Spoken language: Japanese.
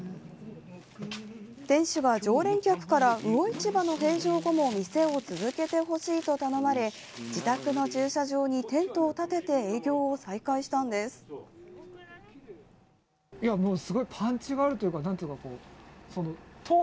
店主が、常連客から魚市場の閉場後も店を続けてほしいと頼まれ自宅の駐車場にテントを立てて営業を再開したんです。